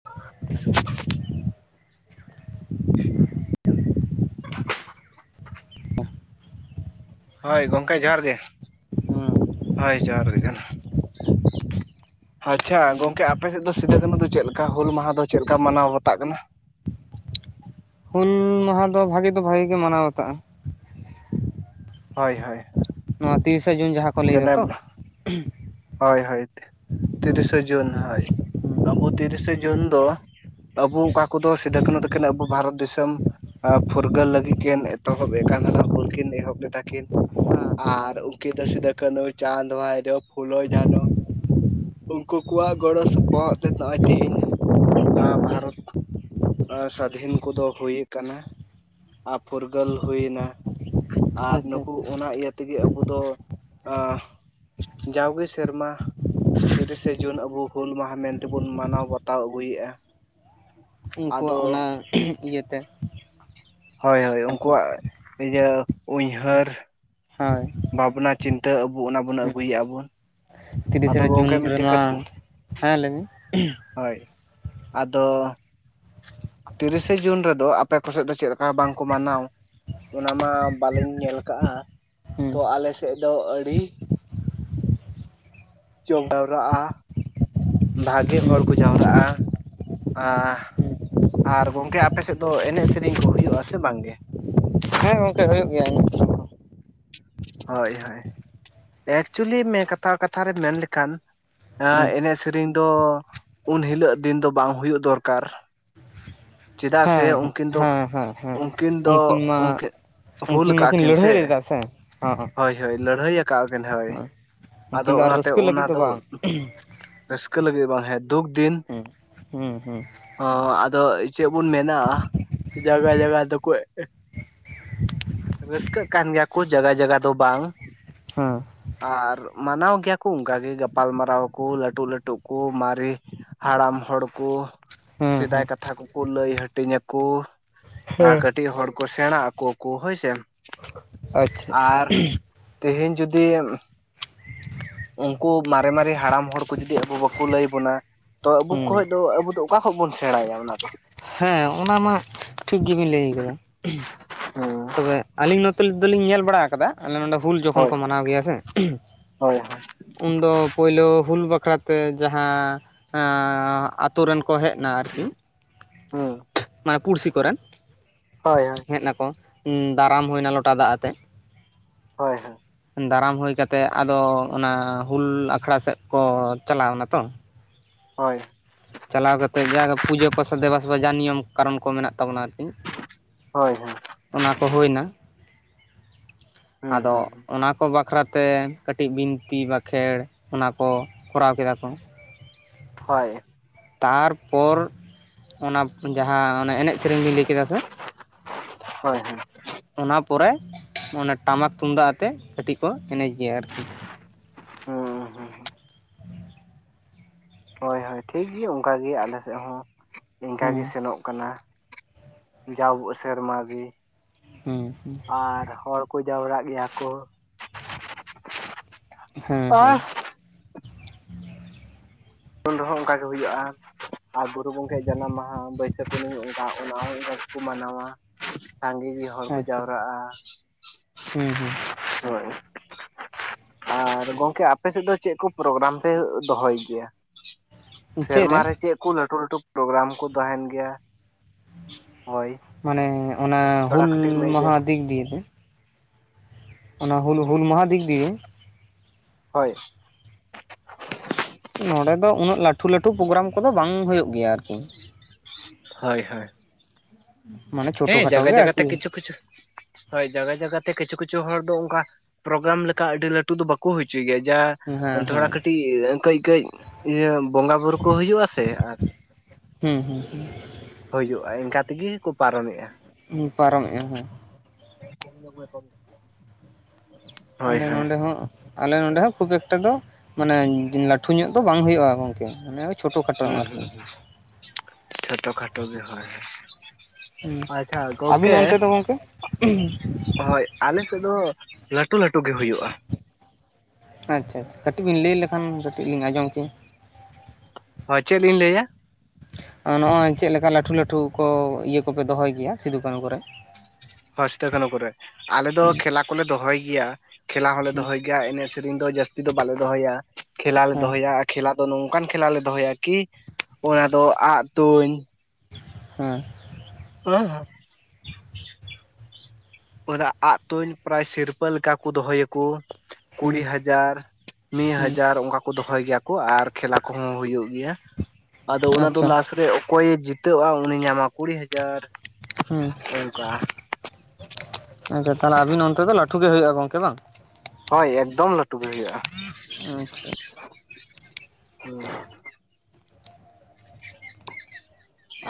ᱦᱡ [unintelligible] [unintelligible] ᱦᱳᱭ ᱜᱚᱢᱠᱮ ᱡᱚᱦᱟᱨ ᱜᱮ, ᱦᱩᱸ ᱦᱳᱭ ᱡᱚᱦᱟᱨ ᱜᱮ᱾ ᱟᱪᱪᱷᱟ ᱜᱚᱝᱠᱮ ᱟᱯᱮ ᱥᱮᱫ ᱫᱚ ᱥᱤᱫᱩ ᱠᱟᱹᱱᱩ ᱫᱚ ᱪᱮᱫ ᱞᱮᱠᱟ, ᱦᱩᱞ ᱢᱟᱦᱟ ᱫᱚ ᱪᱮᱫ ᱞᱮᱠᱟ ᱢᱟᱱᱟᱣ ᱵᱟᱛᱟᱜ ᱠᱟᱱᱟ? ᱦᱩᱞ ᱢᱟᱦᱟ ᱫᱚ ᱵᱷᱟᱜᱮ ᱫᱚ ᱵᱷᱟᱜᱮ ᱜᱮ ᱢᱟᱱᱟᱣ ᱟᱠᱟᱜᱼᱟ᱾ ᱦᱳᱭ-ᱦᱳᱭ᱾ ᱱᱚᱣᱟ ᱛᱤᱨᱤᱥᱟ ᱡᱩᱱ ᱡᱟᱦᱟᱸ ᱠᱚ ᱞᱟᱹᱭ ᱫᱟ ᱛᱚ? ᱦᱳᱭ ᱦᱳᱭ ᱛᱤᱨᱤᱥᱮ ᱡᱩᱱ ᱦᱳᱭ ᱟᱵᱚ ᱛᱤᱨᱤᱥᱮ ᱡᱩᱱ ᱫᱚ ᱟᱵᱚ ᱚᱠᱟ ᱠᱚᱫᱚ ᱥᱤᱫᱩ ᱠᱟᱹᱱᱩ ᱛᱟᱹᱠᱤᱱ ᱟᱵᱚ ᱵᱷᱟᱨᱚᱛ ᱫᱤᱥᱚᱢ ᱟ ᱯᱷᱩᱨᱜᱟᱹᱞ ᱞᱟᱹᱜᱤᱫ ᱠᱤᱱ ᱮᱛᱚᱦᱚᱵ ᱮᱫ ᱠᱟᱱ ᱛᱟᱦᱮᱸᱱᱟ ᱦᱩᱞᱠᱤᱱ ᱮᱦᱚᱵ ᱞᱮᱫᱟ ᱠᱤᱱ᱾ ᱟᱨ ᱩᱱᱠᱤᱱ ᱫᱚ ᱥᱤᱫᱩ, ᱠᱟᱹᱱᱦᱩ, ᱪᱟᱸᱫᱽ, ᱵᱷᱟᱭᱨᱚ, ᱯᱷᱩᱞᱳ, ᱡᱷᱟᱱᱚ, ᱩᱱᱠᱩ ᱠᱚᱣᱟᱜ ᱜᱚᱲᱚ ᱥᱚᱯᱚᱦᱚᱫ ᱛᱮ ᱱᱚᱜᱼᱚᱭ ᱛᱮᱦᱮᱧ ᱵᱷᱟᱨᱚᱛ ᱥᱟᱫᱷᱤᱱ ᱠᱚᱫᱚ ᱦᱩᱭ ᱠᱟᱱᱟ ᱾ ᱟ ᱯᱷᱩᱨᱜᱟᱹᱞ ᱦᱩᱭᱱᱟ᱾ ᱟᱨ ᱟᱪᱪᱷᱟ ᱱᱩᱠᱩ ᱟᱪᱪᱷᱟ ᱚᱱᱟ ᱤᱭᱟᱹ ᱛᱮᱜᱮ ᱟᱵᱚ ᱫᱚ ᱟ ᱡᱟᱣᱜᱮ ᱥᱮᱨᱢᱟ ᱛᱤᱨᱤᱥᱮ ᱡᱩᱱ ᱟᱵᱚ ᱦᱩᱞ ᱢᱟᱦᱟ ᱢᱮᱱᱛᱮᱵᱚᱱ ᱢᱟᱱᱟᱣ ᱵᱟᱛᱟᱣ ᱟᱹᱜᱩᱭᱮᱜᱼᱟ᱾ ᱩᱱᱠᱩᱣᱟᱜ ᱚᱱᱟ ᱤᱭᱟᱹᱛᱮ ᱦᱳᱭ-ᱦᱳᱭ ᱟᱨᱠᱤ ᱩᱱᱠᱩᱣᱟᱜ ᱤᱭᱟᱹ ᱩᱭᱦᱟᱹᱨ ᱦᱳᱭ᱾ ᱵᱷᱟᱵᱽᱱᱟ ᱪᱤᱱᱛᱟᱹ ᱟᱵᱚ ᱚᱱᱟ ᱵᱚᱱ ᱦᱩᱸ ᱟᱹᱜᱩᱭᱮᱜᱼᱟ ᱵᱚᱱ᱾ ᱛᱤᱨᱤᱥᱮ ᱟᱫᱚ ᱡᱩᱱ ᱜᱚᱝᱠᱮ ᱢᱤᱫᱴᱮᱡ ᱨᱮᱢᱟ, ᱠᱟᱹᱴ ᱦᱮᱸ ᱞᱟᱹᱭ ᱢᱮ? ᱦᱳᱭ ᱟᱫᱚ ᱛᱤᱨᱤᱥᱮ ᱡᱩᱱ ᱨᱮᱫᱚ ᱟᱯᱮ ᱠᱚ ᱥᱮᱫ ᱫᱚ, ᱪᱮᱫ ᱞᱮᱠᱟ ᱵᱟᱝᱠᱚ ᱢᱟᱱᱟᱣ? ᱚᱱᱟᱢᱟ ᱵᱟᱞᱤᱧ ᱧᱮᱞ ᱠᱟᱜᱼᱟ, ᱦᱩᱸ ᱛᱚ ᱟᱞᱮ ᱥᱮᱫ ᱫᱚ ᱟᱹᱰᱤ ᱡᱚ ᱡᱟᱣᱨᱟᱜᱼᱟ [unintelligible] ᱵᱷᱟᱜᱮ ᱦᱚᱲ ᱠᱚ ᱦᱩᱸ ᱡᱟᱣᱨᱟᱜᱼᱟ, ᱟ ᱟᱨ ᱜᱚᱝᱠᱮ ᱟᱯᱮ ᱥᱮᱫ ᱫᱚ ᱮᱱᱮᱡ ᱥᱮᱨᱮᱧ ᱠᱚ ᱦᱳᱭᱳᱜᱼᱟ ᱥᱮ ᱵᱟᱝᱜ ᱜᱮ? ᱦᱮᱸ ᱜᱚᱝᱠᱮ ᱦᱳᱭᱳᱜ ᱜᱮᱭᱟ ᱮᱱᱮᱡ ᱥᱮᱨᱮᱧ᱾ ᱠᱚ ᱦᱳᱭ-ᱦᱳᱭ ᱮᱠᱪᱩᱭᱮᱞᱤ ᱠᱟᱛᱷᱟ ᱠᱟᱛᱷᱟ ᱨᱮ ᱢᱮᱱ ᱞᱮᱠᱷᱟᱱ ᱮ ᱦᱩᱸ ᱮᱱᱮᱡ ᱥᱮᱨᱮᱧ ᱫᱚ ᱩᱱ ᱦᱤᱞᱳᱜ ᱫᱤᱱ ᱫᱚ ᱵᱟᱝ ᱦᱳᱭᱳᱜ ᱫᱚᱨᱠᱟᱨ? ᱪᱮᱫᱟᱜ ᱥᱮ ᱦᱮᱸ ᱩᱱᱠᱤᱱ ᱦᱮᱸ ᱦᱮᱸ ᱦᱮᱸ ᱫᱚ-ᱩᱱᱠᱤᱱ ᱫᱚ, ᱩᱱᱠᱤᱱ ᱢᱟ ᱩᱱᱠᱤᱱ ᱦᱩᱞ ᱩᱱᱠᱤᱱ ᱠᱟᱜᱼᱟ ᱢᱟᱠᱤᱱ ᱠᱤᱱ ᱥᱮ, ᱞᱟᱹᱲᱦᱟᱹᱭ ᱞᱮᱫᱟ ᱦᱚᱸ ᱦᱳᱭ-ᱦᱳᱭ ᱞᱟᱹᱲᱦᱟᱹᱭ ᱟᱠᱟᱼᱜ ᱠᱤᱱ ᱦᱳᱭ᱾ ᱦᱚᱸ ᱟᱫᱚ ᱩᱱᱠᱤᱱ ᱫᱚ ᱟᱨ ᱚᱱᱟᱛᱮ ᱨᱟᱹᱥᱠᱟᱹ ᱚᱱᱟ ᱞᱟᱹᱜᱤᱫ ᱫᱚ ᱵᱟᱝ ᱨᱟᱹᱥᱠᱟᱹ ᱞᱟᱹᱜᱤᱫ ᱵᱟᱝ, ᱦᱮᱸ ᱫᱩᱠ ᱫᱤᱱ ᱦᱩᱸ ᱦᱩᱸ ᱦᱩᱸ ᱟᱫᱚ ᱪᱮᱜ ᱵᱚᱱ ᱢᱮᱱᱟ ᱡᱟᱭᱜᱟ ᱡᱟᱭᱜᱟ ᱫᱚᱠᱚ ᱨᱟᱹᱥᱠᱟᱹᱜ ᱠᱟᱱ ᱜᱮᱭᱟ ᱠᱚ ᱡᱟᱭᱜᱟ ᱡᱟᱭᱜᱟ ᱫᱚ ᱵᱟᱝ᱾ ᱦᱮᱸ ᱟᱨ ᱢᱟᱱᱟᱣ ᱜᱮᱭᱟ ᱠᱚ ᱚᱱᱠᱟᱜᱮ ᱜᱟᱯᱟᱞ ᱢᱟᱨᱟᱣ ᱠᱚ ᱞᱟᱹᱴᱩᱜ ᱞᱟᱹᱴᱩᱜ ᱠᱚ ᱢᱟᱨᱮ ᱦᱟᱲᱟᱢ ᱦᱚᱲ ᱠᱩ ᱦᱮᱸ ᱥᱮᱫᱟᱭ ᱦᱮᱸ ᱠᱟᱛᱷᱟ ᱠᱚᱠᱚ ᱞᱟᱹᱭ ᱦᱟᱹᱴᱤᱧ ᱟᱠᱚ᱾ ᱟᱨ ᱦᱮᱸ ᱠᱟᱹᱴᱤᱡ ᱠᱟᱹᱴᱤᱡ ᱦᱚᱲ ᱠᱚ ᱥᱮᱲᱟ ᱟᱠᱚ ᱠᱚ ᱦᱳᱭᱥᱮ ᱟᱪᱪᱷᱟ ᱟᱪᱪᱷᱟ ᱟᱨ ᱛᱮᱦᱮᱧ ᱡᱩᱫᱤ ᱩᱱᱠᱩ ᱢᱟᱨᱮ ᱢᱟᱨᱮ ᱦᱟᱲᱟᱢ ᱦᱚᱲ ᱠᱚ ᱡᱩᱫᱤ ᱟᱵᱚ ᱵᱟᱠᱚ ᱞᱟᱹᱭ ᱵᱚᱱᱟ ᱛᱚ ᱟᱵᱚ ᱦᱩᱸ ᱠᱷᱚᱡ ᱫᱚ ᱟᱵᱚ ᱫᱚ ᱚᱠᱟ ᱠᱷᱚᱡ ᱵᱚᱱ ᱥᱮᱲᱟᱭᱟ ᱚᱱᱟ ᱫᱚ᱾ ᱦᱮᱸ ᱚᱱᱟ ᱢᱟ ᱴᱷᱤᱠ ᱜᱮᱵᱤᱱ ᱞᱟᱹᱭ ᱟᱠᱟᱫᱟ᱾ ᱦᱩᱸ ᱛᱚᱵᱮ ᱟᱹᱞᱤᱧ ᱱᱚᱛᱮ ᱫᱚᱞᱤᱧ ᱧᱮᱞ ᱵᱟᱲᱟ ᱟᱠᱟᱫᱟ ᱟᱞᱮ ᱱᱚᱸᱰᱮ ᱦᱩᱞ ᱡᱚᱠᱷᱚᱱ ᱦᱳᱭ ᱠᱚ ᱢᱟᱱᱟᱣ ᱜᱮᱭᱟ ᱥᱮ ᱦᱳᱭ ᱩᱱᱫᱚ ᱯᱳᱭᱞᱳ ᱦᱩᱞ ᱵᱟᱠᱷᱟᱨᱟᱛᱮ ᱡᱟᱦᱟᱸ ᱟᱛᱳ ᱨᱮᱱ ᱠᱚ ᱦᱮᱡᱱᱟ ᱟᱨᱠᱤ᱾ ᱦᱮᱸ ᱱᱚᱣᱟ ᱯᱩᱲᱥᱤ ᱠᱚᱨᱮᱱ ᱦᱳᱭ ᱦᱳᱭ ᱦᱮᱡ ᱱᱟᱠᱚ, ᱫᱟᱨᱟᱢ ᱦᱩᱭᱱᱟ ᱞᱚᱴᱟ ᱫᱟᱜ ᱟᱛᱮ᱾ ᱦᱳᱭ ᱦᱳ ᱫᱟᱨᱟᱢ ᱦᱩᱭ ᱠᱟᱛᱮ ᱟᱫᱚ ᱚᱱᱟ ᱦᱩᱞ ᱟᱠᱷᱲᱟ ᱥᱮᱫ ᱠᱚ ᱪᱟᱞᱟᱣ ᱱᱟᱛᱚ᱾ ᱦᱳᱭ ᱪᱟᱞᱟᱣ ᱠᱟᱛᱮᱫ ᱡᱟ ᱜᱮ ᱯᱩᱡᱟᱹ ᱯᱟᱥᱟ ᱫᱮᱵᱟ-ᱥᱮᱵᱟ ᱡᱟ ᱱᱤᱭᱚᱢ ᱠᱟᱨᱚᱱ ᱠᱚ ᱢᱮᱱᱟᱜ ᱛᱟᱵᱚᱱᱟ ᱟᱨᱠᱤ ᱦᱳᱭ ᱦᱳᱭ ᱛᱚ ᱱᱚᱣᱟ ᱠᱚ ᱦᱩᱭ ᱱᱟ ᱦᱩᱸ ᱟᱫᱚ ᱦᱩᱸ ᱚᱱᱟ ᱠᱚ ᱵᱟᱠᱷᱨᱟᱛᱮ ᱠᱟᱹᱴᱤᱡ ᱵᱤᱱᱛᱤ ᱵᱟᱸᱠᱷᱮᱲ ᱚᱱᱟ ᱠᱚ ᱠᱚᱨᱟᱣ ᱠᱮᱫᱟ ᱠᱚ᱾ ᱦᱳᱭ ᱛᱟᱨᱯᱚᱨ ᱚᱱᱟ ᱡᱟᱦᱟᱸ ᱚᱱᱮ ᱮᱱᱮᱡ-ᱥᱮᱨᱮᱧ ᱵᱤᱱ ᱞᱟᱹᱭ ᱠᱮᱫᱟ ᱥᱮ ᱦᱳᱭ ᱦᱳᱭ ᱚᱱᱟ ᱯᱚᱨᱮ ᱚᱱᱮ ᱴᱟᱢᱟᱠ ᱛᱩᱢᱫᱟᱜ ᱟᱛᱮᱜ ᱠᱟᱹᱴᱤᱡ ᱠᱚ ᱮᱱᱮᱡ ᱜᱮᱭᱟ ᱟᱨᱠᱤ᱾ ᱦᱩᱸ ᱦᱩᱸ ᱦᱳᱭ ᱦᱳᱭ ᱴᱷᱤᱠᱜᱮ ᱚᱱᱠᱟᱜᱮ ᱟᱞᱮ ᱥᱮᱫ ᱦᱚᱸ ᱤᱱᱠᱟ ᱜᱮ ᱦᱮᱸ ᱥᱮᱱᱚᱜ ᱠᱟᱱᱟ᱾ ᱡᱟᱣ ᱟᱵᱚ ᱥᱮᱨᱢᱟ ᱜᱮ, ᱦᱮᱸ ᱟᱨ ᱦᱚᱲ ᱠᱚ ᱡᱟᱣᱨᱟᱜ ᱜᱮᱭᱟ ᱠᱚ [inaudible] ᱦᱮᱸ ᱟᱨ ᱦᱮᱸ ᱩᱱ ᱨᱮᱦᱚᱸ ᱚᱱᱠᱟᱜᱮ ᱦᱩᱭᱩᱜ-ᱟ᱾ ᱟᱨ ᱜᱩᱨᱩ ᱜᱚᱢᱠᱮᱭᱟᱜ ᱡᱟᱱᱟᱢ ᱢᱟᱦᱟ ᱵᱟᱹᱭᱥᱟᱹᱠᱷ ᱠᱩᱱᱟᱹᱢᱤ ᱚᱱᱠᱟ ᱚᱱᱟ ᱦᱚᱸ ᱠᱚ ᱢᱟᱱᱟᱣᱟ ᱥᱟᱸᱜᱮ ᱜᱮ ᱦᱚᱲ ᱠᱚ ᱟᱪᱪᱷᱟ ᱡᱟᱣᱨᱟᱜ-ᱟ᱾ ᱦᱮᱸ ᱦᱮᱸ ᱦᱳᱭ ᱟᱨ ᱜᱚᱝᱠᱮ ᱟᱯᱮᱥᱮᱫ ᱫᱚ ᱪᱮᱫ ᱠᱚ ᱯᱨᱳᱜᱨᱟᱢ ᱯᱮ ᱫᱚᱦᱚᱭ ᱜᱮᱭᱟ? ᱥᱮᱨᱢᱟᱨ ᱨᱮ ᱪᱮᱫ ᱠᱚ ᱞᱟᱹᱴᱩ ᱞᱟᱹᱴᱩ ᱯᱨᱳᱜᱨᱟᱢ ᱠᱚ ᱛᱟᱦᱮᱱ ᱜᱮᱭᱟ? ᱦᱳᱭ, ᱢᱟᱱᱮ ᱚᱱᱟ ᱛᱷᱚᱲᱟ ᱦᱩᱞ ᱠᱟᱹᱴᱤᱡ ᱞᱟᱹᱭ ᱢᱟᱦᱟ ᱵᱮᱱ ᱫᱤᱠ ᱫᱤᱭᱮᱛᱮ᱾ ᱚᱱᱟ ᱦᱩᱞ ᱦᱩᱞ ᱢᱟᱦᱟ ᱫᱤᱠ ᱫᱤᱭᱮ᱾ ᱦᱳᱭ ᱱᱚᱸᱰᱮ ᱫᱚ ᱩᱱᱟᱹᱜ ᱞᱟᱹᱴᱩ ᱞᱟᱹᱴᱩ ᱯᱨᱳᱜᱨᱟᱢ ᱠᱚᱫᱚ ᱵᱟᱝ ᱦᱩᱭᱩᱜ ᱜᱮᱭᱟ ᱟᱨᱠᱤ᱾ ᱦᱳᱭ ᱦᱳᱭ ᱢᱟᱱᱮ ᱪᱷᱳᱴᱳ ᱦᱮᱸ ᱠᱷᱟᱴᱳ ᱡᱟᱭᱜᱟ ᱜᱮ ᱡᱟᱭᱜᱟ ᱛᱮ ᱟᱨᱠᱤ ᱠᱤᱪᱷᱩ ᱠᱤᱪᱷᱩ ᱦᱳᱭ ᱡᱟᱜᱟ ᱡᱟᱭᱜᱟᱛᱮ ᱠᱤᱪᱷᱩ ᱠᱤᱪᱷᱩ ᱦᱚᱲ ᱫᱚ ᱚᱱᱠᱟ ᱯᱨᱳᱜᱨᱟᱢ ᱞᱮᱠᱟ ᱟᱹᱰᱤ ᱞᱟᱹᱴᱩ ᱫᱚ ᱵᱟᱠᱚ ᱦᱚᱪᱚᱭ ᱜᱮᱭᱟ ᱡᱟ ᱦᱮᱸ ᱦᱮᱸ ᱛᱷᱚᱲᱟ ᱠᱟᱹᱴᱤᱡ ᱠᱟᱹᱡ-ᱠᱟᱹᱡ ᱤᱭᱟᱹ ᱵᱚᱸᱜᱟ ᱵᱳᱨᱳ ᱠᱚ ᱦᱩᱭᱩᱜ-ᱟ ᱥᱮ ᱟᱨ ᱦᱩᱸ ᱦᱩᱸ ᱦᱩᱸ ᱦᱩᱭᱩᱜ-ᱟ ᱤᱱᱠᱟ ᱛᱮᱜᱮ ᱠᱚ ᱯᱟᱨᱚᱢᱮᱜᱼᱟ᱾ ᱯᱟᱨᱚᱢᱮᱜᱼᱟ ᱦᱮᱸ ᱾ [unintelligible] ᱟᱞᱮ ᱦᱩᱸ ᱱᱚᱸᱰᱮ ᱦᱚᱸ ᱟᱞᱮ ᱱᱚᱸᱰᱮ ᱦᱚᱸ ᱠᱷᱩᱵ ᱮᱠᱴᱟ ᱫᱚ ᱢᱟᱱᱮ ᱞᱟᱹᱴᱷᱩ ᱧᱚᱜ ᱫᱚ ᱵᱟᱝ ᱦᱩᱭᱩᱜᱼᱟ ᱜᱚᱝᱠᱮ ᱢᱟᱱᱮ ᱪᱷᱳᱴᱳ ᱠᱷᱟᱴᱳ ᱦᱩᱸ ᱟᱨᱠᱤ ᱦᱩᱸ ᱦᱩᱸ, ᱪᱷᱳᱴᱚ ᱠᱷᱟᱴᱚ ᱜᱮ ᱦᱳᱭ ᱦᱮ ᱦᱩᱸ ᱾ ᱟᱪᱪᱷᱟ ᱟᱹᱵᱤᱱ ᱜᱚᱝᱠᱮ ᱚᱱᱛᱮ ᱫᱚ ᱜᱚᱝᱠᱮ ᱦᱳᱭ, ᱟᱞᱮ ᱥᱮᱫ ᱫᱚ ᱞᱟᱹᱴᱩ ᱞᱟᱹᱴᱩ ᱜᱮ ᱦᱩᱭᱩᱜ ᱾ ᱟᱪᱷᱟ ᱟᱪᱷᱟ, ᱠᱟᱹᱴᱤᱡ ᱵᱮᱤᱱ ᱞᱟᱹᱭ ᱞᱮᱠᱷᱟᱱ ᱠᱟᱹᱴᱤᱡ ᱞᱤᱧ ᱟᱸᱡᱚᱢ ᱠᱮᱭᱟ ᱾ ᱦᱚᱭ ᱪᱮᱫ ᱞᱤᱧ ᱞᱮᱭᱟ? ᱱᱚᱜᱼᱚᱭ ᱪᱮᱫ ᱞᱮᱠᱟ ᱞᱟᱹᱴᱩ ᱞᱟᱹᱴᱩ ᱠᱚ ᱤᱭᱟᱹ ᱠᱚᱯᱮ ᱫᱚᱦᱚᱭ ᱜᱮᱭᱟ ᱥᱤᱫᱩ-ᱠᱟᱱᱩ ᱠᱚᱨᱮ ᱾ ᱦᱚᱥᱴᱮ ᱠᱟᱱᱩ ᱠᱚᱨᱮ ᱟᱞᱮ ᱫᱚ ᱦᱩᱸ ᱠᱷᱮᱞᱟ ᱠᱚᱞᱮ ᱫᱚᱦᱚᱭ ᱜᱮᱭᱟ ᱠᱷᱮᱞᱟ ᱦᱚᱸᱞᱮ ᱦᱩᱸ ᱫᱚᱦᱚᱭ ᱜᱮᱭᱟ ᱮᱱᱮᱡ ᱥᱮᱨᱮᱧ ᱫᱚ ᱡᱟᱹᱥᱛᱤ ᱫᱚ ᱵᱟᱞᱮ ᱫᱚᱦᱚᱭ-ᱟ, ᱠᱷᱮᱞᱟ ᱞᱮ ᱦᱮᱸ ᱫᱚᱦᱚᱭᱟ ᱠᱷᱮᱞᱟ ᱫᱚ ᱱᱚᱝᱠᱟᱱ ᱠᱷᱮᱞᱟ ᱞᱮ ᱫᱚᱦᱚᱭᱟ ᱠᱤ ᱚᱱᱟ ᱫᱚ ᱟᱜ ᱛᱩᱧ, ᱦᱮᱸ ᱾ [unintelligible] ᱦᱮᱸ ᱾ ᱯᱩᱨᱟᱹ ᱟᱜ ᱛᱩᱧ ᱯᱟᱨᱟᱡᱽ ᱥᱤᱨᱯᱟᱹ ᱞᱮᱠᱟ ᱠᱚ ᱫᱚᱦᱚᱭᱟ ᱠᱚ ᱾ ᱠᱩᱲᱤ ᱦᱩᱸ ᱦᱟᱡᱟᱨ, ᱢᱤᱫ ᱦᱩᱸ ᱦᱟᱡᱟᱨ ᱚᱱᱠᱟ ᱠᱚ ᱫᱚᱦᱚᱭ ᱜᱮᱭᱟ ᱠᱚ, ᱟᱨ ᱠᱷᱮᱞᱟ ᱠᱚᱦᱚᱸ ᱦᱩᱭᱩᱜ ᱜᱮᱭᱟ ᱟᱫᱚ ᱚᱱᱟ ᱫᱚ ᱟᱪᱪᱷᱟ ᱞᱟᱥ ᱨᱮ ᱚᱠᱚᱭᱮ ᱡᱤ ᱛᱟᱹᱜᱼᱟ ᱩᱱᱤ ᱧᱟᱢᱟ ᱠᱩᱲᱤ ᱦᱟᱡᱟᱨ ᱾ ᱦᱩᱸ, ᱟᱪᱷᱟ ᱛᱟᱦᱚᱞᱮ ᱟᱵᱤᱱ ᱚᱱᱛᱮ ᱫᱚ ᱞᱟᱴᱷᱩ ᱜᱮ ᱦᱩᱭᱩᱜᱼᱟ ᱜᱚᱝᱠᱮ ᱵᱟᱝ? ᱦᱳᱭ ᱮᱠᱫᱚᱢ ᱞᱟᱹᱴᱩ ᱜᱮ ᱦᱩᱭᱩᱜᱼᱟ ᱟᱪᱪᱷᱟ ᱾ ᱦᱩᱸ ᱾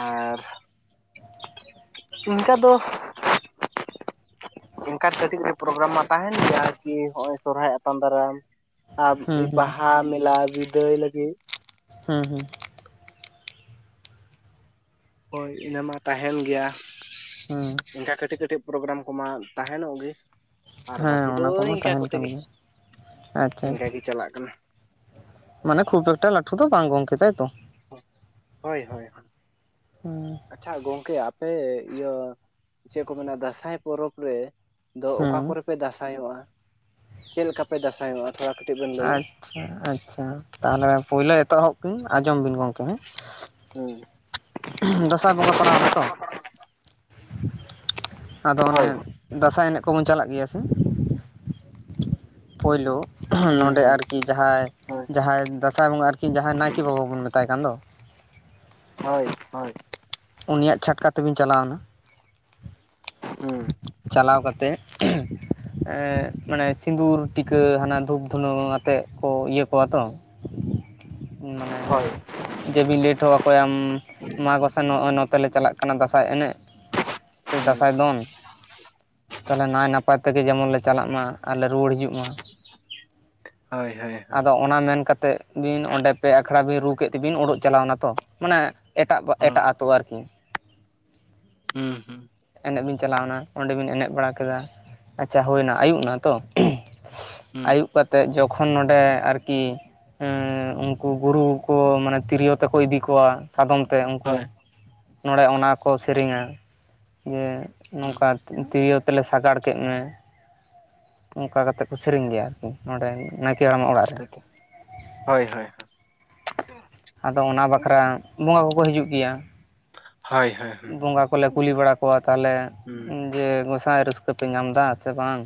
ᱟᱨ ᱤᱱᱠᱟ ᱫᱚ ᱮᱱᱠᱟᱱ ᱠᱟᱹᱴᱤᱡ ᱯᱨᱳᱜᱮᱨᱟᱢ ᱢᱟ ᱛᱟᱦᱮᱱ ᱜᱮᱭᱟ ᱟᱨᱠᱤ ᱦᱚᱸᱜᱼᱚᱭ ᱥᱚᱨᱦᱟᱭ ᱟᱛᱟᱝ ᱫᱟᱨᱟᱢ ᱾ ᱟᱨ ᱦᱩᱸ ᱦᱩᱸ ᱵᱟᱦᱟ ᱢᱮᱞᱟ ᱵᱤᱫᱟᱹᱭ ᱞᱟᱹᱜᱤᱫ ᱾ ᱦᱩᱸ ᱦᱩᱸ ᱾ ᱦᱳᱭ ᱤᱱᱟᱹ ᱢᱟ ᱛᱟᱦᱮᱱ ᱜᱮᱭᱟ ᱦᱩᱸ ᱚᱱᱠᱟ ᱠᱟᱹᱴᱤᱡ ᱠᱟᱹᱴᱤᱡ ᱯᱨᱳᱜᱮᱨᱟᱢ ᱠᱚᱢᱟ ᱛᱟᱦᱮᱱᱚᱜ ᱜᱮ ᱾ ᱟᱨ ᱦᱮᱸ ᱵᱟᱹᱠᱤ ᱫᱚ ᱚᱱᱟ ᱠᱚᱢᱟ ᱤᱱᱠᱟᱹ ᱛᱟᱦᱮᱱ ᱠᱚᱛᱮ ᱠᱟᱱ ᱜᱮ, ᱜᱮᱭᱟ ᱟᱪᱪᱷᱟ ᱤᱱᱠ ᱟᱪᱪᱷᱟ ᱜᱮ ᱪᱟᱞᱟᱜ ᱠᱟᱱᱟ ᱾ ᱢᱟᱱᱮ ᱠᱷᱩᱵ ᱮᱠᱴᱟ ᱞᱟᱴᱷᱩ ᱫᱚ ᱵᱟᱝ ᱜᱚᱢᱠᱮ ᱛᱟᱭᱛᱚ? ᱦᱳᱭ ᱦᱳᱭ ᱦᱩᱸ ᱾ ᱟᱪᱪᱷᱟ ᱜᱚᱝᱠᱮ ᱟᱯᱮ ᱤᱭᱟᱹ ᱪᱮᱫ ᱠᱚ ᱢᱮᱱᱟ ᱫᱟᱸᱥᱟᱭ ᱯᱚᱨᱚᱵᱽ ᱨᱮ ᱟᱫᱚ ᱚᱠᱟ ᱦᱩᱸ ᱠᱚᱨᱮ ᱯᱮ ᱫᱟᱥᱟᱭᱚᱜᱼᱟ? ᱪᱮᱫ ᱞᱮᱠᱟ ᱯᱮ ᱫᱟᱥᱟᱭᱚᱜᱼᱟ ᱛᱷᱚᱲᱟ ᱠᱟᱹᱴᱤᱡ ᱵᱮᱱ ᱞᱟᱹᱭᱟ? ᱟᱪᱪᱷᱟ ᱟᱪᱪᱷᱟ, ᱛᱟᱦᱚᱞᱮ ᱯᱳᱭᱞᱳ ᱮᱛᱚᱦᱚᱵ ᱠᱤᱱ ᱟᱸᱡᱚᱢ ᱵᱤᱱ ᱜᱚᱢᱠᱮ ᱦᱮᱸ ᱾ ᱦᱩᱸ ᱾ ᱫᱟᱸᱥᱟᱭ ᱵᱚᱸᱜᱟ ᱯᱟᱲᱟᱣ ᱱᱟᱛᱚ ᱟᱫᱚ ᱚᱱᱮ ᱦᱳᱭ ᱫᱟᱸᱟᱭ ᱮᱱᱮᱡ ᱠᱚᱵᱚᱱ ᱪᱟᱞᱟᱜ ᱜᱮᱭᱟ ᱥᱮ? ᱯᱳᱭᱞᱳ ᱦᱩᱸ ᱱᱚᱸᱰᱮ ᱦᱩᱸ ᱟᱨ ᱠᱤ ᱡᱟᱦᱟᱸᱭ ᱦᱳᱭ ᱡᱟᱦᱟᱸᱭ ᱫᱟᱸᱥᱟᱭ ᱵᱚᱸᱜᱟ ᱟᱨᱠᱤ ᱡᱟᱦᱟᱸᱭ ᱱᱟᱭᱠᱮ ᱵᱟᱵᱟ ᱵᱚᱱ ᱢᱮᱛᱟᱭ ᱠᱟᱱ ᱫᱚ ᱾ ᱦᱚᱭ ᱦᱚᱭ ᱾ ᱩᱱᱤᱭᱟᱜ ᱪᱷᱟᱴᱠᱟ ᱛᱮᱵᱤᱱ ᱪᱟᱞᱟᱣᱱᱟ ᱾ ᱦᱩᱸ ᱾ ᱪᱟᱞᱟᱣ ᱠᱟᱛᱮᱫ [unintelligible] ᱾ ᱮᱸ ᱢᱟᱱᱮ ᱥᱤᱸᱫᱩᱨ ᱴᱤᱠᱟᱹ, ᱦᱟᱱᱟ ᱫᱷᱩᱯ ᱫᱷᱩᱱᱟᱹ ᱟᱛᱮᱫ ᱠᱚ ᱤᱭᱟᱹ ᱠᱚᱣᱟ ᱛᱚ ᱾ ᱢᱟᱱᱮ ᱦᱳᱭ ᱡᱮ ᱵᱤᱱ ᱞᱮᱭ ᱦᱚᱴᱚ ᱟᱠᱚᱭᱟ ᱢᱟ ᱜᱚᱥᱟᱭ ᱱᱚᱜᱼᱚᱭ ᱱᱚᱛᱮ ᱞᱮ ᱪᱟᱞᱟᱜ ᱠᱟᱱᱟ ᱫᱟᱸᱥᱟᱭ ᱮᱱᱮᱡ ᱾ ᱥᱮ ᱦᱩᱸ ᱫᱟᱸᱥᱟᱭ ᱫᱚᱱ ᱾ [unintelligible] ᱛᱟᱦᱚᱞᱮ ᱱᱟᱭ ᱱᱟᱯᱟᱭ ᱛᱮᱜᱮ ᱡᱮᱢᱚᱱ ᱞᱮ ᱪᱟᱞᱟᱜ ᱢᱟ ᱾ ᱟᱨ ᱞᱮ ᱨᱩᱣᱟᱹᱲ ᱦᱤᱡᱩᱜ ᱢᱟ, ᱦᱳᱭ ᱦᱳᱭ ᱦᱳᱭ ᱦᱩᱸ ᱟᱫᱚ ᱚᱱᱟ ᱢᱮᱱ ᱠᱟᱛᱮᱜ ᱵᱤᱱ ᱚᱸᱰᱮ ᱯᱮ ᱟᱠᱷᱲᱟ ᱵᱤᱱ ᱨᱩ ᱠᱮᱫ ᱛᱮᱵᱤᱱ ᱩᱰᱩᱜ ᱪᱟᱞᱟᱣᱱᱟ ᱛᱚ ᱢᱟᱱᱮ ᱮᱴᱟᱜ ᱠᱚ ᱮᱴᱟᱜ ᱦᱩᱸ ᱟᱛᱳ ᱟᱨᱠᱤ᱾ ᱦᱩᱸ ᱦᱩᱸ ᱮᱱᱮᱡ ᱵᱮᱤᱱ ᱪᱟᱞᱟᱣᱱᱟ ᱚᱸᱰᱮ ᱵᱮᱤᱱ ᱮᱱᱮᱡ ᱵᱟᱲᱟ ᱠᱮᱫᱟ ᱟᱪᱪᱷᱟ ᱦᱩᱭᱱᱟ ᱟᱹᱭᱩᱵ ᱮᱱᱟ ᱛᱚ ᱦᱩᱸ ᱟᱹᱭᱩᱵ ᱠᱟᱛᱮ ᱡᱚᱠᱷᱚᱱ ᱱᱚᱰᱮ ᱟᱨᱠᱤ ᱦᱩᱸ ᱩᱱᱠᱩ ᱜᱩᱨᱩ ᱠᱚ ᱢᱟᱱᱮ ᱛᱤᱨᱭᱳ ᱛᱮᱠᱚ ᱤᱫᱤ ᱠᱚᱣᱟ ᱥᱟᱫᱚᱢ ᱛᱮ ᱩᱱᱠᱩ ᱦᱳᱭ ᱱᱚᱰᱮ ᱚᱱᱟ ᱠᱚ ᱥᱮᱨᱮᱧᱟ ᱡᱮ ᱦᱩᱸ ᱱᱚᱝᱠᱟ ᱛᱤᱨᱭᱳ ᱛᱮᱞᱮ ᱥᱟᱜᱟᱲ ᱠᱮᱫ ᱢᱮ ᱚᱱᱠᱟ ᱠᱟᱛᱮᱜ ᱠᱚ ᱥᱮᱨᱮᱧ ᱜᱮᱭᱟ ᱠᱚ ᱱᱚᱸᱰᱮ ᱱᱟᱭᱠᱮ ᱦᱟᱲᱟᱢᱟᱜ ᱚᱲᱟᱜ ᱨᱮ [unintelligible] ᱦᱳᱭ ᱦᱳᱭ ᱟᱫᱚ ᱚᱱᱟ ᱵᱟᱠᱷᱨᱟ ᱵᱚᱸᱜᱟ ᱠᱚᱠᱚ ᱦᱤᱡᱩᱜ ᱜᱮᱭᱟ ᱦᱳᱭ ᱦᱳᱭ ᱦᱩᱸ ᱵᱚᱸᱜᱟ ᱠᱚᱞᱮ ᱦᱩᱸ ᱠᱩᱞᱤ ᱵᱟᱲᱟ ᱠᱚᱣᱟ ᱛᱟᱦᱚᱞᱮ ᱦᱩᱸ ᱡᱮ ᱜᱚᱸᱥᱟᱭ ᱨᱟᱹᱥᱠᱟᱹ ᱨᱟᱹᱥᱠᱟᱹ ᱯᱮ ᱧᱟᱢ ᱮᱫᱟ ᱥᱮ ᱵᱟᱝ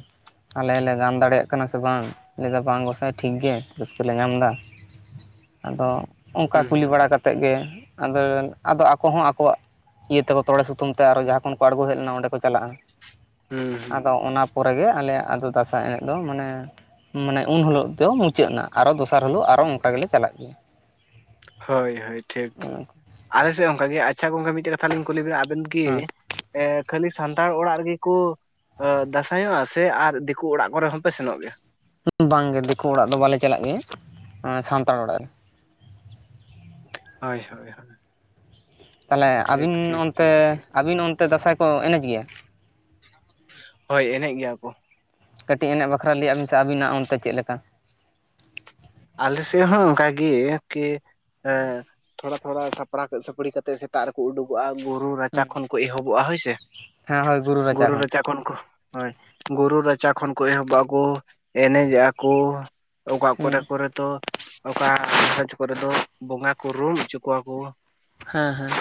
ᱟᱞᱮ ᱞᱮ ᱜᱟᱱ ᱫᱟᱲᱮᱭᱟᱜ ᱠᱟᱱᱟ ᱥᱮ ᱵᱟᱝ ᱵᱟᱝ ᱜᱚᱸᱥᱟᱭ ᱴᱷᱤᱠ ᱜᱮ ᱨᱟᱹᱥᱠᱟᱹᱮ ᱧᱟᱢ ᱮᱫᱟ ᱟᱫᱚ ᱚᱱᱠᱟ ᱦᱩᱸ ᱠᱩᱞᱤ ᱵᱟᱲᱟᱛᱮᱫ ᱜᱮ ᱟᱫᱚ ᱟᱠᱚ ᱦᱚᱸ ᱟᱠᱚᱣᱟᱜ ᱤᱭᱟᱹ ᱛᱮᱠᱚ ᱛᱚᱲᱮ ᱥᱩᱛᱟᱢ ᱛᱮ ᱟᱨ ᱦᱚ ᱡᱟᱦᱟᱸ ᱠᱷᱚᱱ ᱠᱚ ᱟᱬᱜᱚ ᱦᱮᱡ ᱞᱮᱱᱟ ᱚᱸᱰᱮ ᱠᱚ ᱪᱟᱞᱟᱜᱼᱟ ᱦᱩᱸ ᱦᱩᱸ ᱟᱫᱚ ᱚᱱᱟ ᱯᱚᱨᱮᱜᱮ ᱟᱞᱮᱭᱟᱜ ᱟᱫᱚ ᱫᱟᱸᱥᱟᱭ ᱮᱱᱮᱡ ᱫᱚ ᱢᱟᱱᱮ ᱢᱟᱱᱮ ᱩᱱ ᱦᱤᱞᱳᱜ ᱫᱚ ᱢᱩᱪᱟᱹᱫ ᱮᱱᱟ ᱟᱨᱚ ᱫᱚᱥᱟᱨ ᱦᱤᱞᱳᱜ ᱟᱨᱚ ᱱᱚᱝᱠᱟ ᱜᱮᱞᱮ ᱪᱟᱞᱟᱜ ᱜᱮᱭᱟ ᱦᱳᱭ ᱦᱳᱭ ᱴᱷᱤᱠ ᱟᱞᱮᱥᱮᱫ ᱚᱱᱠᱟ ᱜᱮ ᱟᱪᱪᱷᱟ ᱜᱚᱝᱠᱮ ᱢᱤᱫᱴᱮᱡ ᱠᱟᱛᱷᱟᱞᱤᱧ ᱠᱩᱞᱤ ᱵᱤᱱᱟ ᱟᱵᱤᱱ ᱫᱚ ᱠᱤ ᱦᱮᱸ ᱠᱷᱟᱹᱞᱤ ᱥᱟᱱᱛᱟᱲ ᱚᱲᱟᱜ ᱨᱮᱜᱮ ᱠᱚ ᱫᱟᱸᱥᱟᱭᱚᱜᱼᱟ ᱥᱮ ᱟᱨ ᱫᱤᱠᱩ ᱚᱲᱟᱜ ᱠᱚᱨᱮ ᱦᱚᱸᱯᱮ ᱥᱮᱱᱚᱜ ᱜᱮᱭᱟ ᱵᱟᱝᱜᱮ ᱫᱤᱠᱩ ᱚᱲᱟᱜ ᱫᱚ ᱵᱟᱞᱮ ᱪᱟᱞᱟᱜ ᱜᱮᱭᱟ ᱥᱟᱱᱛᱟᱲ ᱚᱲᱟᱜ ᱨᱮ ᱦᱳᱭ ᱦᱳᱭ ᱦᱳᱭ ᱛᱟᱦᱚᱞᱮ ᱟᱹᱵᱤᱱ ᱚᱱᱛᱮ ᱴᱷᱤᱠ ᱟᱹᱵᱤᱱ ᱚᱱᱛᱮ ᱫᱟᱸᱥᱟᱭ ᱠᱚ ᱮᱱᱮᱡ ᱜᱮᱭᱟ ᱦᱳᱭ ᱮᱱᱮᱡ ᱜᱮᱭᱟ ᱠᱚ ᱠᱟᱹᱴᱤᱡ ᱮᱱᱮᱡ ᱵᱟᱠᱷᱨᱟ ᱞᱟᱹᱭᱟ ᱵᱤᱱ ᱥᱮ ᱟᱹᱵᱤᱱᱟᱜ ᱚᱱᱛᱮ ᱪᱮᱫ ᱞᱮᱠᱟ ᱟᱞᱮ ᱥᱮᱫ ᱦᱚᱸ ᱚᱱᱠᱟᱜᱮ ᱠᱤ ᱛᱷᱚᱲᱟ ᱛᱷᱚᱲᱟ ᱥᱟᱯᱲᱟᱣ ᱥᱟᱯᱲᱤ ᱠᱟᱛᱮ ᱥᱮ ᱥᱮᱛᱟᱜ ᱨᱮᱠᱚ ᱩᱰᱩᱠᱚᱜᱼᱟ ᱜᱩᱨᱩ ᱨᱟᱪᱟ ᱦᱮᱸ ᱠᱷᱚᱱ ᱠᱚ ᱮᱦᱚᱵᱚᱜᱼᱟ ᱦᱳᱭᱥᱮ ᱦᱮᱸ ᱦᱳᱭ ᱨᱟᱪᱟ ᱜᱩᱨᱩ ᱨᱮᱪᱟ ᱠᱷᱚᱱ ᱠᱚ ᱦᱳᱭ ᱜᱩᱨᱩ ᱨᱟᱪᱟ ᱠᱷᱚᱱ ᱠᱚ ᱮᱦᱚᱵᱼᱟ ᱠᱚ ᱮᱱᱮᱡ ᱮᱫᱟ ᱠᱚ ᱚᱠᱟ ᱦᱮᱸ ᱠᱚᱨᱮ ᱦᱚᱭᱛ ᱚᱠᱟ ᱠᱚᱨᱮ ᱫᱚ ᱵᱚᱸᱜᱟ ᱠᱚ ᱨᱩᱢ ᱚᱪᱚ ᱠᱚᱣᱟ ᱠᱚ ᱦᱮᱸ ᱦᱮᱸ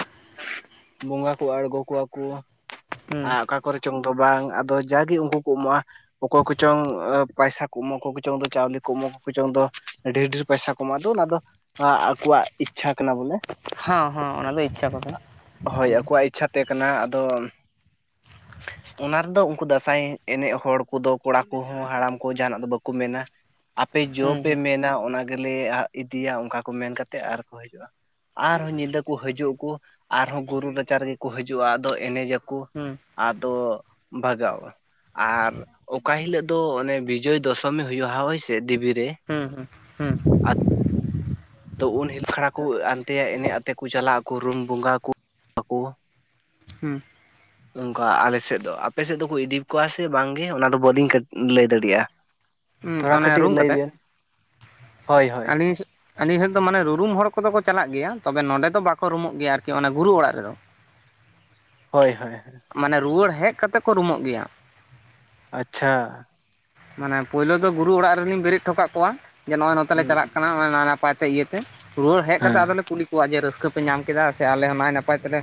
ᱵᱚᱸᱜᱟ ᱠᱚ ᱟᱬᱜᱚ ᱠᱚᱣᱟ ᱠᱚ ᱦᱮᱸ ᱟᱨ ᱚᱠᱟ ᱠᱚᱨᱮ ᱪᱚᱝ ᱫᱚ ᱵᱟᱝ ᱟᱫᱚ ᱡᱟᱜᱮ ᱩᱱᱠᱩ ᱠᱚ ᱮᱢᱚᱜᱼᱟ ᱚᱠᱚᱭ ᱠᱚᱪᱚᱝ ᱯᱟᱭᱥᱟ ᱠᱩᱢ ᱠᱚᱠᱚᱪᱚᱝᱫᱚ ᱪᱟᱣᱞᱮ ᱠᱚ ᱠᱩᱢ ᱠᱚᱠᱚᱪᱚᱝᱫᱚ ᱰᱷᱮᱨ ᱰᱷᱮᱨ ᱯᱚᱭᱥᱟ ᱠᱚ ᱮᱢᱚᱜ ᱟ ᱫᱚ ᱚᱱᱟ ᱫᱚ ᱟᱠᱚᱣᱟᱜ ᱤᱪᱪᱷᱟ ᱠᱟᱱᱟ ᱵᱚᱞᱮ ᱦᱮᱸ ᱦᱮᱸ ᱚᱱᱟ ᱫᱚ ᱤᱪᱪᱷᱟ ᱠᱚᱛᱮ ᱦᱮᱸ ᱛᱮ ᱠᱟᱱᱟ ᱟᱫᱚ [inaudible] ᱚᱱᱟ ᱨᱮᱫᱚ ᱩᱱᱠᱩ ᱫᱟᱸᱥᱟᱭ ᱮᱱᱮᱡ ᱦᱚᱲ ᱠᱚᱫᱚ ᱠᱚᱲᱟ ᱠᱚᱦᱚᱸ ᱦᱟᱲᱟᱢ ᱠᱚ ᱡᱟᱦᱟᱱᱟᱜ ᱫᱚ ᱵᱟᱠᱚ ᱢᱮᱱᱟ ᱟᱯᱮ ᱦᱮᱸ ᱡᱚᱯᱮ ᱦᱮᱸ ᱢᱮᱱᱟ ᱚᱱᱟ ᱜᱮᱞᱮ ᱟ ᱤᱫᱤᱭᱟ ᱚᱱᱠᱟ ᱠᱚ ᱢᱮᱱᱠᱟᱛᱮᱫ ᱟᱨᱠᱚ ᱦᱤᱡᱩᱜᱼᱟ ᱟᱨᱦᱚᱸ ᱧᱤᱫᱟᱹ ᱠᱚ ᱦᱤᱡᱩᱜ ᱟᱠᱚ ᱟᱨᱦᱚᱸ ᱜᱩᱨᱩ ᱨᱟᱪᱟ ᱨᱮᱜᱮ ᱠᱚ ᱦᱤᱡᱩᱜᱼᱟ ᱟᱫᱚ ᱮᱱᱮᱡᱟᱠᱚ ᱦᱮᱸ ᱟᱫᱚ ᱵᱷᱟᱜᱟᱣᱟ ᱟᱨ ᱚᱠᱟ ᱦᱤᱞᱳᱜ ᱫᱚ ᱚᱱᱮ ᱵᱤᱡᱚᱭ ᱫᱚᱥᱚᱢᱤ ᱦᱩᱭᱩᱜᱼᱟ ᱦᱚᱳᱭᱥᱮ ᱫᱮᱵᱤᱮ ᱨᱮ ᱦᱮᱸ ᱦᱮᱸ ᱦᱮᱸ ᱛᱚ ᱩᱱ ᱦᱤᱞᱳ ᱠᱷᱲᱟ ᱠᱚ ᱦᱱᱛᱮ ᱮᱱᱮᱡ ᱟᱛᱮ ᱠᱚ ᱪᱟᱞᱟᱜ ᱟᱠᱚ ᱨᱩᱢ ᱵᱚᱸᱜᱟ ᱠᱚ ᱟᱠᱚ ᱦᱮᱸ ᱱᱚᱝᱠᱟ ᱟᱞᱮᱥᱮᱫ ᱫᱚ ᱟᱯᱮᱥᱮᱫ ᱫᱚᱠᱚ ᱤᱫᱤ ᱠᱚᱣᱟ ᱥᱮ ᱵᱟᱝᱜᱮ ᱚᱱᱟ ᱫᱚ ᱵᱟᱹᱞᱤᱧ ᱞᱟᱹᱭ ᱫᱟᱲᱮᱭᱟᱜᱼᱟ ᱦᱮᱸ ᱛᱷᱚᱲᱟ ᱚᱱᱮ ᱠᱟᱹᱴᱤᱡ ᱨᱩᱢ ᱞᱟᱹᱭ ᱵᱤᱱ ᱦᱳᱭ ᱦᱳᱭ [unintelligible] ᱦᱟᱱᱤ ᱦᱚᱲ ᱫᱚ ᱢᱟᱱᱮ ᱨᱩᱨᱩᱢ ᱦᱚᱲ ᱜᱮ ᱟᱠᱚ ᱫᱚ ᱠᱚ ᱪᱟᱞᱟᱜ ᱜᱮᱭᱟ ᱛᱚᱵᱮ ᱱᱚᱸᱰᱮ ᱫᱚ ᱵᱟᱠᱚ ᱨᱩᱢᱩᱜ ᱜᱮᱭᱟ ᱟᱨᱠᱤ ᱚᱱᱟ ᱜᱩᱨᱩ ᱚᱲᱟᱜ ᱨᱮᱫᱚ ᱦᱳᱭ ᱦᱳᱭ ᱦᱳᱭ ᱢᱟᱱᱮ ᱨᱩᱣᱟᱹᱲ ᱦᱮᱡ ᱠᱟᱛᱮᱜ ᱠᱚ ᱨᱩᱢᱚᱜ ᱜᱮᱭᱟ᱾ ᱟᱪᱪᱷᱟ ᱢᱟᱱᱮ ᱯᱳᱭᱞᱳ ᱫᱚ ᱜᱩᱨᱩ ᱚᱲᱟᱜ ᱨᱮᱞᱤᱧ ᱵᱮᱨᱮᱫ ᱦᱚᱴᱚᱟᱜ ᱠᱚᱣᱟ, ᱡᱮ ᱱᱚᱜᱼᱚᱭ ᱱᱚᱛᱮ ᱦᱩᱸ ᱪᱟᱞᱟᱜ ᱠᱟᱱᱟ ᱱᱟᱭ ᱱᱟᱯᱟᱭ ᱛᱮ ᱤᱭᱟᱹᱛᱮ ᱨᱩᱣᱟᱹᱲ ᱦᱮᱡ ᱠᱟᱛᱮ ᱦᱮᱸ ᱟᱫᱚᱞᱮ ᱠᱩᱞᱤ ᱟᱠᱚᱣᱟᱜ ᱡᱮ ᱨᱟᱹᱥᱠᱟᱹ ᱯᱮ ᱧᱟᱢ ᱠᱮᱫᱟ ᱥᱮ ᱟᱞᱮ ᱦᱚᱸ ᱱᱟᱭ ᱱᱟᱯᱟᱭ ᱛᱮᱞᱮ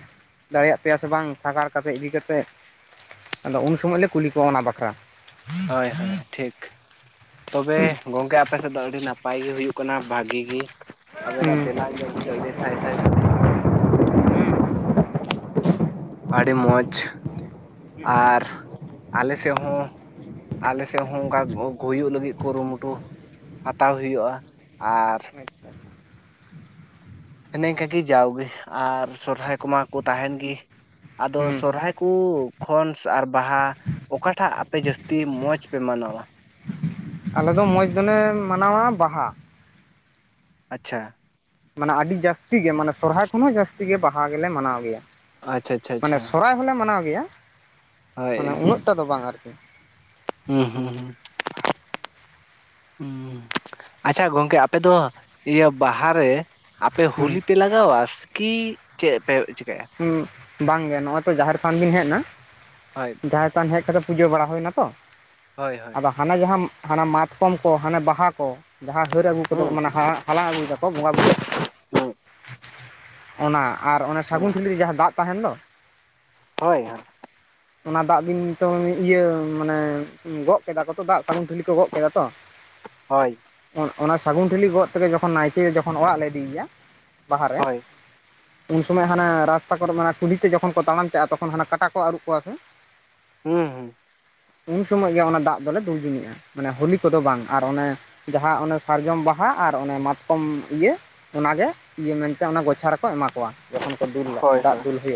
ᱫᱟᱲᱮᱭᱟᱜ ᱯᱮᱭᱟ ᱥᱮ ᱵᱟᱝ ᱥᱟᱜᱟᱲ ᱠᱟᱛᱮᱜ ᱤᱫᱤ ᱠᱟᱛᱮᱜ? ᱟᱫᱚ ᱩᱱ ᱥᱚᱢᱚᱭ ᱞᱮ ᱠᱩᱞᱤ ᱠᱚᱣᱟ ᱚᱱᱟ ᱵᱟᱠᱷᱨᱟ᱾ ᱦᱳᱭ ᱦᱳᱭ ᱴᱷᱤᱠ ᱛᱚᱵᱮ ᱜᱚᱢᱠᱮ ᱟᱯᱮ ᱥᱮᱫ ᱫᱚ ᱟᱹᱰᱤ ᱱᱟᱯᱟᱭ ᱜᱮ ᱦᱩᱭᱩᱜ ᱠᱟᱱᱟ ᱵᱷᱟᱜᱤ ᱜᱤ ᱟᱵᱮᱱᱟᱜ ᱦᱩᱸ ᱛᱮᱞᱟ ᱟᱡᱚᱢ ᱠᱟᱛᱮᱜ ᱟᱹᱰᱤ ᱥᱟᱭ ᱥᱟᱭ ᱥᱟᱨᱦᱟᱣ ᱟᱹᱰᱤ ᱢᱚᱸᱡᱽ, ᱟᱨ ᱟᱞᱮ ᱥᱮᱫ ᱦᱚᱸ ᱟᱞᱮ ᱥᱮᱫ ᱦᱚᱸ ᱚᱱᱠᱟ [unintelligible] ᱦᱩᱭᱩᱜ ᱞᱟᱹᱜᱤᱫ ᱠᱩᱨᱩᱢᱩᱴᱩ ᱦᱟᱛᱟᱣ ᱦᱩᱭᱩᱜᱼᱟ ᱟᱨ ᱟᱪᱪᱷᱟ ᱤᱱᱟᱹ ᱤᱱᱠᱟᱹ ᱜᱤ ᱡᱟᱣᱜᱮ ᱟᱨ ᱥᱚᱨᱦᱟᱭ ᱠᱚᱢᱟ ᱠᱚ ᱛᱟᱦᱮᱱ ᱜᱮ ᱟᱫᱚ ᱦᱩᱸ ᱦᱩᱸ ᱥᱚᱨᱦᱟᱭ ᱦᱟᱹᱠᱩ ᱠᱷᱚᱱ ᱟᱨ ᱵᱟᱦᱟ ᱚᱠᱟᱴᱟᱜ ᱟᱯᱮ ᱡᱟᱹᱥᱛᱤ ᱢᱚᱡᱽ ᱯᱮ ᱢᱟᱱᱟᱣᱟ? ᱟᱞᱮ ᱫᱚ ᱢᱚᱡᱽ ᱫᱚᱞᱮ ᱢᱟᱱᱟᱣᱟ ᱵᱟᱦᱟ᱾ ᱟᱪᱪᱷᱟ ᱢᱟᱱᱮ ᱟᱹᱰᱤ ᱡᱟᱹᱥᱛᱤ ᱜᱮ ᱢᱟᱱᱮ ᱥᱚᱨᱦᱟᱭ ᱠᱷᱚᱱ ᱦᱚᱸ ᱡᱟᱹᱥᱛᱤ ᱜᱮ ᱵᱟᱦᱟ ᱜᱮᱞᱮ ᱢᱟᱱᱟᱣ ᱜᱮᱭᱟ᱾ ᱟᱪᱪᱷᱟ ᱟᱪᱪᱷᱟ ᱢᱟᱱᱮ ᱟᱪᱪᱷᱟ ᱥᱚᱨᱦᱟᱭ ᱦᱚᱸᱞᱮ ᱢᱟᱱᱟᱣ ᱜᱮᱭᱟ ᱦᱳᱭ ᱢᱟᱱᱮ ᱩᱱᱟᱹᱜ ᱴᱟ ᱫᱚ ᱵᱟᱝ ᱟᱨᱠᱤ᱾ ᱦᱩᱸ ᱦᱩᱸ ᱦᱩᱸ ᱦᱩᱸ ᱟᱪᱪᱷᱟ ᱜᱚᱢᱠᱮ ᱟᱯᱮ ᱫᱚ ᱤᱭᱟᱹ ᱵᱟᱦᱟ ᱨᱮ ᱟᱯᱮ ᱦᱳᱞᱤ ᱦᱩᱸ ᱯᱮ ᱞᱟᱜᱟᱣᱟ ᱠᱤ ᱪᱮᱫ ᱯᱮ ᱪᱤᱠᱟᱹᱭᱟ? ᱦᱩᱸ ᱵᱟᱝᱜᱮ ᱱᱚᱜ ᱚᱭ ᱛᱚ ᱡᱟᱦᱮᱨ ᱛᱷᱟᱱ ᱵᱤᱱ ᱦᱮᱡ ᱱᱟ ᱦᱳᱭ ᱡᱟᱦᱮᱨᱛᱷᱟᱱ ᱦᱮᱡ ᱠᱟᱛᱮᱜ ᱯᱩᱡᱟᱹ ᱵᱟᱲᱟ ᱦᱩᱭ ᱱᱟᱛᱚ? ᱦᱳᱭ ᱦᱳᱭ ᱦᱟᱱᱮ ᱡᱟᱦᱟᱸ ᱦᱟᱱᱟ ᱢᱟᱛᱠᱚᱢ ᱠᱚ ᱦᱟᱱᱮ ᱵᱟᱦᱟ ᱠᱚ ᱡᱟᱦᱟᱸ ᱦᱟᱹᱨ ᱟᱹᱜᱩ ᱠᱚᱫᱚ ᱦᱩᱸ ᱢᱟᱱᱮ ᱦᱟ ᱦᱟᱞᱟᱝ ᱟᱹᱜᱩᱭ ᱫᱟ ᱠᱚ ᱵᱚᱸᱜᱟ ᱵᱩᱨᱩ ᱦᱩᱸ ᱚᱱᱟ ᱟᱨ ᱚᱱᱮ ᱦᱩᱸ ᱥᱟᱹᱜᱩᱱ ᱴᱷᱤᱞᱤ ᱨᱮ ᱡᱟᱦᱟᱸ ᱫᱟᱜ ᱛᱟᱦᱮᱱ ᱫᱚ᱾ ᱦᱳᱭ ᱦᱳᱭ ᱚᱱᱟ ᱫᱟᱜ ᱫᱤᱱ ᱛᱚ ᱤᱭᱟᱹ ᱢᱟᱱᱮ ᱜᱚᱜ ᱠᱮᱫᱟ ᱠᱚ ᱛᱚ ᱫᱟᱜ ᱥᱟᱹᱜᱩᱱ ᱴᱷᱞᱤ ᱠᱚ ᱜᱚᱜ ᱠᱮᱫᱟ ᱛᱚ᱾ [inaudible] ᱦᱳᱭ ᱚᱱᱟ ᱥᱟᱹᱜᱩᱱ ᱴᱷᱤᱞᱤ ᱜᱚᱜ ᱛᱮᱜᱮ ᱡᱚᱠᱷᱚᱱ ᱱᱟᱭᱠᱮ ᱡᱚᱠᱷᱚᱱ ᱚᱲᱟᱜ ᱞᱮ ᱤᱫᱤ ᱮᱭᱟ ᱵᱟᱦᱟ ᱨᱮ ᱦᱳᱭ ᱩᱱ ᱥᱚᱢᱚᱭ ᱦᱟᱱᱮ ᱨᱟᱥᱛᱟ ᱠᱚᱨᱮ ᱢᱟᱱᱮ ᱠᱩᱞᱦᱤ ᱛᱮ ᱡᱚᱠᱷᱚᱱ ᱠᱚ ᱛᱟᱲᱟᱢ ᱪᱟᱜᱼᱟ ᱛᱚᱠᱷᱚᱱ ᱦᱟᱱᱟ ᱠᱟᱴᱟ ᱠᱚ ᱟᱹᱨᱩᱵ ᱠᱚᱣᱟ ᱥᱮ? ᱦᱩᱸ ᱦᱩᱸ ᱩᱱ ᱥᱚᱢᱚᱭ ᱜᱮ ᱚᱱᱟ ᱫᱟᱜ ᱫᱚᱞᱮ ᱫᱩᱞ ᱡᱩᱱᱤᱜᱼᱟ᱾ ᱢᱟᱱᱮ ᱦᱳᱞᱤ ᱠᱚᱫᱚ ᱵᱟᱝ ᱟᱨ ᱚᱱᱮ ᱡᱟᱦᱟᱸ ᱚᱱᱮ ᱥᱟᱨᱡᱚᱢ ᱵᱟᱦᱟ ᱟᱨ ᱚᱱᱮ ᱢᱟᱛᱠᱚᱢ ᱤᱭᱟᱹ ᱚᱱᱟᱜᱮ ᱤᱭᱟᱹ ᱢᱮᱱᱛᱮ ᱚᱱᱟ ᱜᱚᱪᱷᱟ ᱨᱮᱠᱚ ᱮᱢᱟ ᱠᱚᱣᱟ ᱡᱚᱠᱷᱚᱱ ᱠᱚ ᱫᱩᱞ ᱦᱳᱭ ᱦᱳᱭ ᱫᱟᱜ ᱫᱩᱞ ᱦᱩᱭᱩᱜᱼᱟ